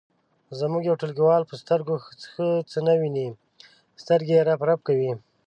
زموږ یو ټولګیوال په سترګو ښه څه نه ویني سترګې یې رپ رپ کوي.